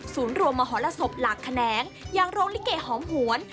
รวมมหรสบหลักแขนงอย่างโรงลิเกหอมหวน